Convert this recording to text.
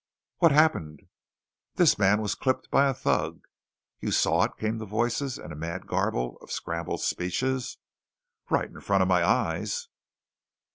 "What happened?" "This man was clipped by a thug." "You saw it?" came the voices in a mad garble of scrambled speeches. "Right in front of my eyes."